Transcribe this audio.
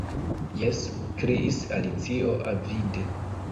"Jes," kriis Alicio avide.